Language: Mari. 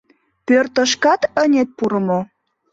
— Пӧртышкат ынет пуро мо?